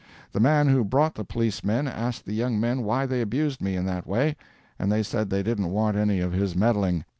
The man who brought the policemen asked the young men why they abused me in that way, and they said they didn't want any of his meddling.